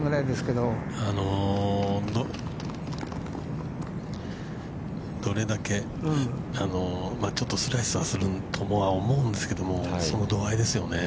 ◆どれだけ、ちょっとスライスはすると思うんですですけども、その度合いですよね。